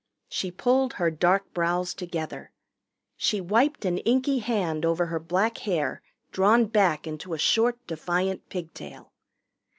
She pulled her dark brows together. She wiped an inky hand over her black hair drawn back into a short defiant pigtail.